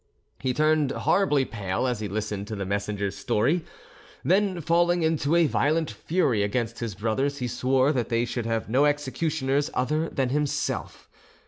He turned horribly pale as he listened to the messenger's story, then falling into a violent fury against his brothers, he swore that they should have no executioners other than himself.